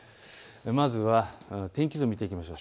まずは天気図を見ていきましょう。